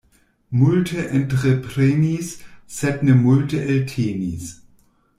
Multe entreprenis, sed ne multe eltenis.